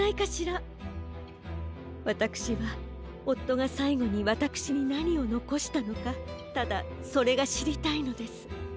わたくしはおっとがさいごにわたくしになにをのこしたのかただそれがしりたいのです。